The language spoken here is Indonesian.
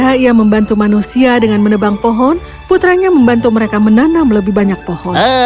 setelah ia membantu manusia dengan menebang pohon putranya membantu mereka menanam lebih banyak pohon